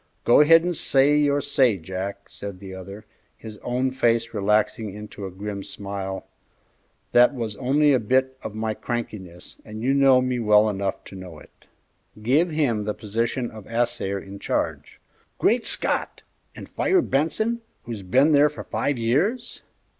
"Go ahead and say your say, Jack," said the other, his own face relaxing into a grim smile; "that was only a bit of my crankiness, and you know me well enough to know it." "Give him the position of assayer in charge." "Great Scott! and fire Benson, who's been there for five years?"